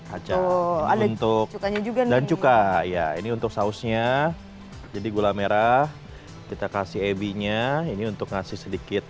acau untuk dan cuka ya ini untuk sausnya jadi gula merah kita kasih ebinya ini untuk ngasih sedikit